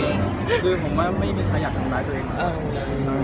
คือผมว่าไม่มีใครอยากทำร้ายตัวเอง